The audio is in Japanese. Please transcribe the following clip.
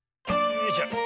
よいしょ。